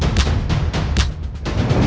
tidak salah lagi